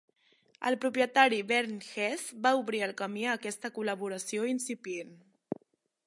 El propietari Bernd Hesse va obrir el camí a aquesta col·laboració incipient.